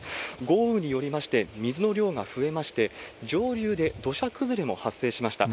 豪雨によりまして水の量が増えまして、上流で土砂崩れも発生しました。